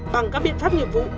bằng các biện pháp nhiệm vụ